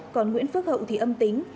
còn nguyễn phước hậu thì âm tính